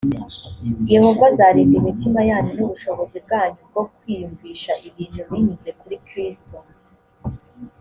yehova azarinda imitima yanyu nubushobozi bwanyu bwo kwiyumvisha ibintu binyuze kuri kristo